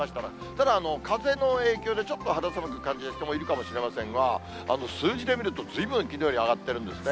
ただ、風の影響でちょっと肌寒く感じる人もいるかもしれませんが、数字で見ると、ずいぶんきのうより上がってるんですね。